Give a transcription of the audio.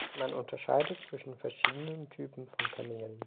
Man unterscheidet zwischen verschiedenen Typen von Kanälen.